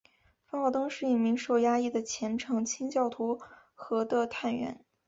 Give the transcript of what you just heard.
范奥登是一名受压抑的虔诚清教徒和的探员。